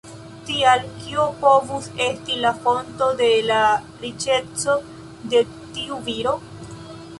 Tial, kio povus esti la fonto de la riĉeco de tiu viro?